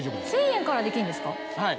１０００円からできるんですか？